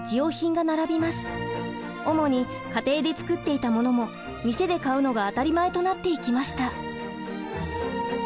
主に家庭で作っていたものも店で買うのが当たり前となっていきました。